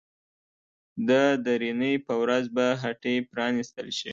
د درېنۍ په ورځ به هټۍ پرانيستل شي.